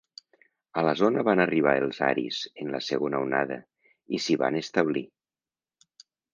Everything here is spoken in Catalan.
A la zona van arribar els aris en la segona onada i s'hi van establir.